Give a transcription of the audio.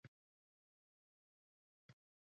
دریابونه د افغانانو د اړتیاوو د پوره کولو وسیله ده.